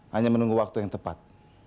hanya menunggu waktu yang tepat